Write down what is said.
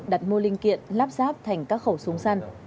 đặt mua linh kiện lắp ráp thành các khẩu súng săn